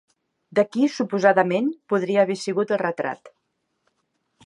De qui suposadament podria haver sigut el retrat?